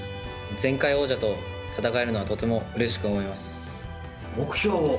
前回王者と戦えるのはとてもうれしく思います。